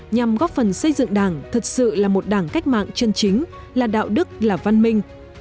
nhằm góp phần xây dựng đảng thật sự là một đảng cách mạng chân chính là đạo đức là văn minh